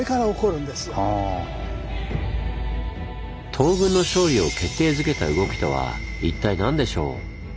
東軍の勝利を決定づけた動きとは一体何でしょう？